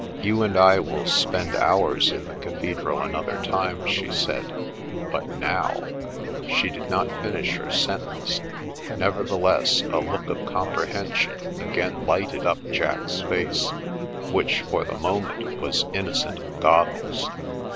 " You and I will spend hours in the cathedral another time," she said. " But now " She did not finish her sentence, nevertheless a look of comprehension again lighted up Jack's face, which for the moment was innocent of goggles.